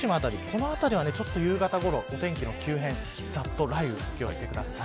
この辺りは夕方ごろお天気の急変雷雨にお気を付けください。